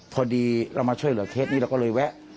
พอดีเรามาช่วยเหลือเคสนี้เราก็เลยแวะ